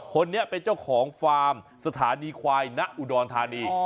คนนี้เป็นเจ้าของฟาร์มสถานีควายณอุดรธานี